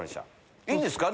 いいんですか？